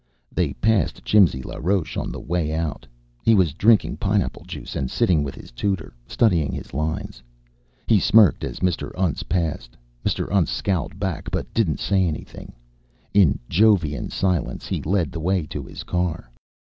They passed Jimsy LaRoche on the way out. He was drinking pineapple juice and sitting with his tutor, studying his lines. He smirked as Mr. Untz passed. Mr. Untz scowled back but didn't say anything. In Jovian silence he led the way to his car.